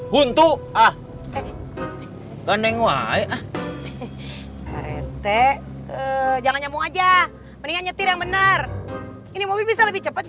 hantu ah eh gandeng wae jangan nyambung aja mendingan nyetir yang bener ini bisa lebih cepet